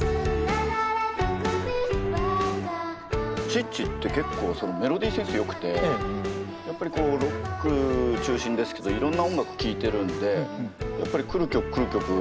チッチって結構そのメロディーセンスよくてやっぱりこうロック中心ですけどいろんな音楽聴いてるんでやっぱり来る曲来る曲